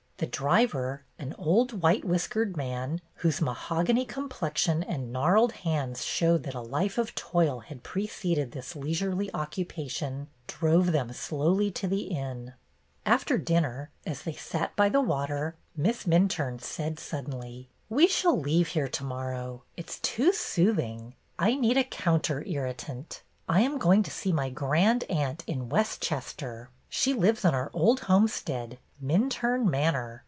The driver, an old white whiskered man, whose mahogany complexion and gnarled hands showed that a life of toil had preceded this leisurely occupation, drove them slowly to the inn. After dinner, as they sat by the water. Miss Minturne said suddenly: "We shall leave here to morrow. It 's too soothing. I need a counter irritant. I am going to see my grandaunt in Westchester. She lives on our old homestead, Minturne Manor.